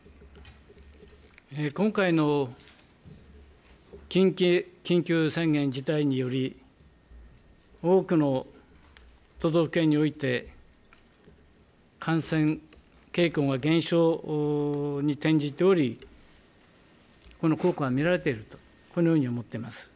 今回の緊急事態宣言により、多くの都道府県において、感染傾向が減少に転じており、この効果は見られていると、このように思っています。